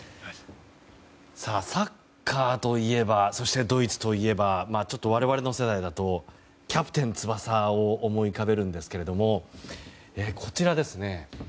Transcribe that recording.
サッカーといえばそしてドイツといえばちょっと我々の世代だと「キャプテン翼」を思い浮かべるんですがこちら、